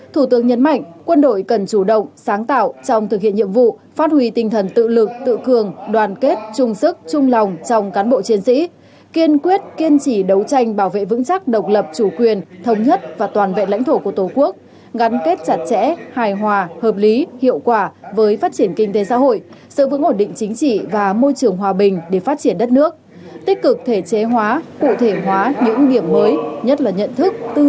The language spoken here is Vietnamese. thủ tướng nhấn mạnh quân đội cần chủ động sáng tạo trong thực hiện nhiệm vụ phát huy tinh thần tự lực tự cường đoàn kết chung sức chung lòng trong cán bộ chiến sĩ kiên quyết kiên trì đấu tranh bảo vệ vững chắc độc lập chủ quyền thống nhất và toàn vẹn lãnh thổ của tổ quốc gắn kết chặt chẽ hài hòa hợp lý hiệu quả với phát triển kinh tế xã hội sự vững ổn định chính trị và môi trường hòa bình để phát triển đất nước tích cực thể chế hóa cụ thể hóa những điểm mới nhất là nh